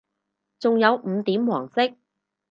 仲有五點黃色